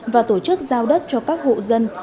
và tổ chức giao đất cho các hộ dân